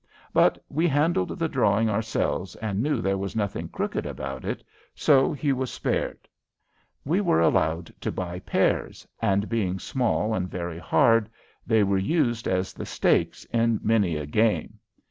But we handled the drawing ourselves and knew there was nothing crooked about it, so he was spared. We were allowed to buy pears, and, being small and very hard, they were used as the stakes in many a game.